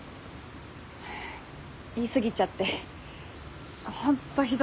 言い過ぎちゃって本当ひどいこと。